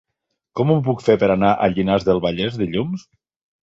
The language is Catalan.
Com ho puc fer per anar a Llinars del Vallès dilluns?